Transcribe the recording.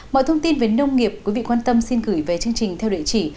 mọi thông tin về nông nghiệp quý vị quan tâm xin gửi về chương trình theo địa chỉ